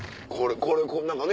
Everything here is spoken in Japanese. これ何かね